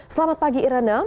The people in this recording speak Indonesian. selamat pagi irena